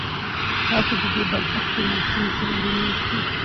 تاسو د دې بد بختې ماشومې پلار هم ياستئ.